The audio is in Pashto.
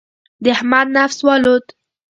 د احمد نفس والوت.